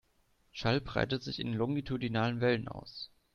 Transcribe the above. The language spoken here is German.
Schall breitet sich in longitudinalen Wellen aus.